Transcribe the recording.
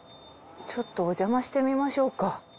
ちょっとおじゃましてみましょうか。